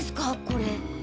これ。